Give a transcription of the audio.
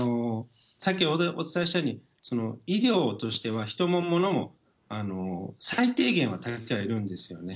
さっきお伝えしたように、医療としては、人も物も最低限は足りてはいるんですよね。